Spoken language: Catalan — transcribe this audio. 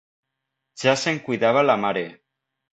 Ja se'n cuidava la mare.